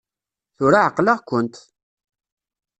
Tura ɛeqleɣ-kent!